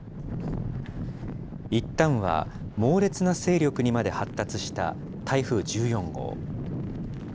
いったんは猛烈な勢力にまで発達した台風１４号。